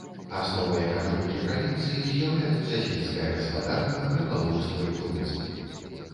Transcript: Асновай эканомікі правінцыі з'яўляюцца сельская гаспадарка, рыбалоўства і турызм.